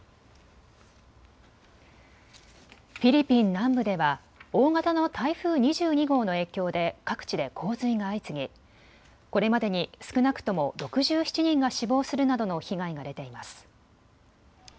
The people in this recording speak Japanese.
フィリピン南部では大型の台風２２号の影響で各地で洪水が相次ぎこれまでに少なくとも６７人が死亡するなどの被害が出ています。